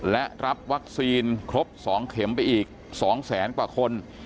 และรับวัคซีนครบ๒เข็มไปอีก๒แสนกว่าคน